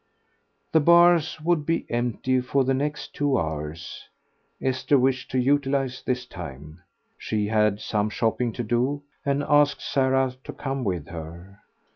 The bars would be empty for the next two hours; Esther wished to utilize this time; she had some shopping to do, and asked Sarah to come with her.